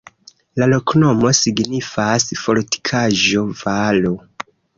La loknomo signifas: fortikaĵo-valo.